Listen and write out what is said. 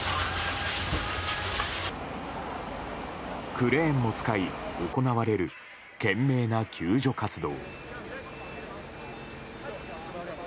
クレーンも使い、行われる懸命な救助活動。